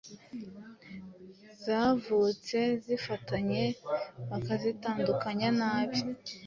zavutse zifatanye bakazitandukanya nabi